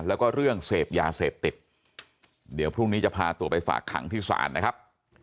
แล้วก็เรื่องเสพยาเสพติดเดี๋ยวพรุ่งนี้จะพาตัวไปฝากขังที่ศาลนะครับ